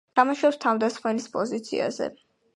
თამაშობს თავდამსხმელის პოზიციაზე.